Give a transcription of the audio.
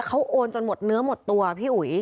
เขาโอนจนหมดเนื้อหมดตัวพี่อุ๋ย